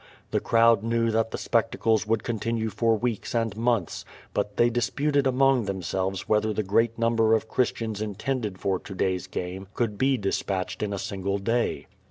Tho crowd knew that the spectacles would continue for weeks and months, but theydisputed among themselves whether the great number of Christians intended for to day's game could bedis patched in a single day.